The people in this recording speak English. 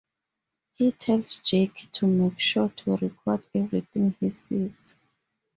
He tells Jake to make sure to record everything he sees.